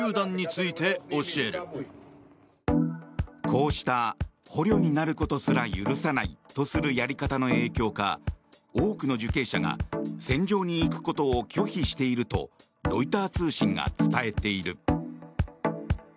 こうした捕虜になることすら許さないとするやり方の影響か多くの受刑者が戦場に行くことを拒否しているとロイター通信が伝えている。